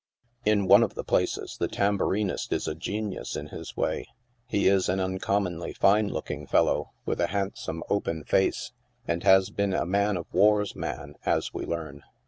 In one of the places, the tambourinist is a genius in his way. He is an uncommonly fine looking fellow, with a handsome, open face, and has been a man of war' 's man, as we learn.